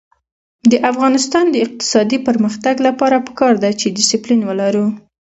د افغانستان د اقتصادي پرمختګ لپاره پکار ده چې دسپلین ولرو.